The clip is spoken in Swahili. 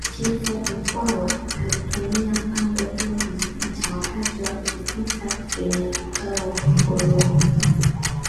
chifu mkwawa alitumia pango hilo kujificha wakati wa vipita kwenye utawa wa kikoloni